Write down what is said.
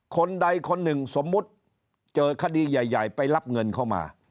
คนใดคนหนึ่งสมมุติเจอคดีใหญ่ไปรับเงินเข้ามา